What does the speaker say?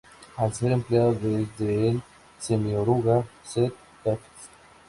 Al ser empleado desde el semioruga Sd.Kfz.